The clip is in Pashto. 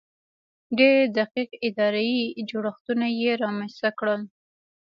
ډېر دقیق اداري جوړښتونه یې رامنځته کړل.